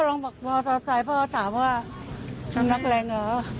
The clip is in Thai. พ่อลองบอกบอกต่อใจพ่อถามว่านักเรงเหรอ